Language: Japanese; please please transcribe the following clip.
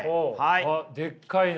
あっでっかいの。